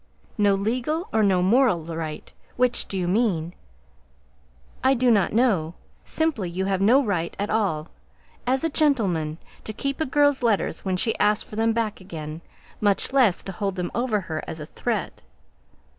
"No legal, or no moral right? which do you mean?" "I do not know; simply you have no right at all, as a gentleman, to keep a girl's letters when she asks for them back again, much less to hold them over her as a threat."